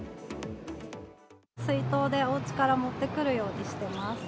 水筒で、おうちから持ってくるようにしてます。